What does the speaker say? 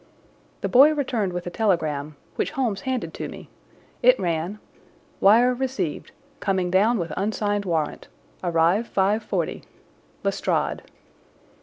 The boy returned with a telegram, which Holmes handed to me. It ran: Wire received. Coming down with unsigned warrant. Arrive five forty. Lestrade.